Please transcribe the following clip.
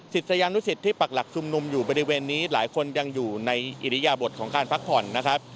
ศิษยานุสิตที่ปักหลักชุมนุมอยู่บริเวณนี้หลายคนยังอยู่ในอิริยบทของการพักผ่อนนะครับ